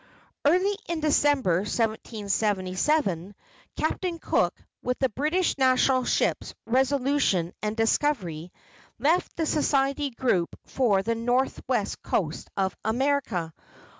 Early in December, 1777, Captain Cook, with the British national ships Resolution and Discovery, left the Society group for the northwest coast of America.